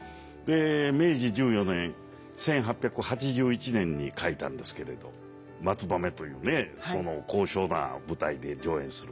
明治１４年１８８１年に書いたんですけれど松羽目というねその高尚な舞台で上演する。